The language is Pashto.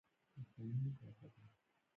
تنور د پخوا زمانو مهرباني ده